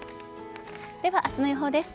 では、明日の予報です。